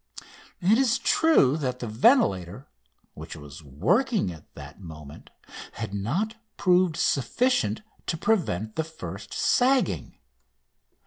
It is true that the ventilator, which was working at that moment, had not proved sufficient to prevent the first sagging.